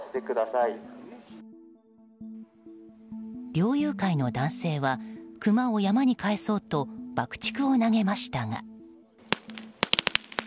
猟友会の男性はクマを山に帰そうと爆竹を投げましたが。